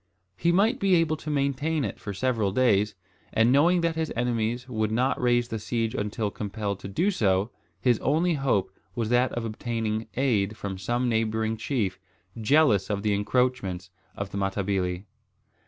He might be able to maintain it for several days; and knowing that his enemies would not raise the siege until compelled to do so, his only hope was that of obtaining aid from some neighbouring chief, jealous of the encroachments of the Matabili.